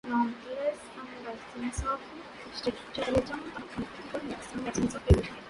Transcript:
Nonetheless, some versions of structuralism are compatible with some versions of realism.